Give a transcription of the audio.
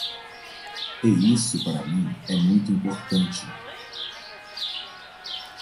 E isso para mim é muito importante.